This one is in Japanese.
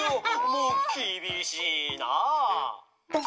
もうきびしいな。